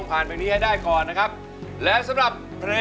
แผ่นไหนครับ